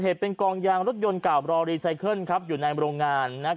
เหตุเป็นกองยางรถยนต์กล่าวครับอยู่ในโรงงานนะฮะ